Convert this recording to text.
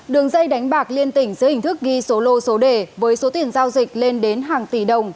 đường dây đánh bạc liên tỉnh dưới hình thức ghi số lô số đề với số tiền giao dịch lên đến hàng tỷ đồng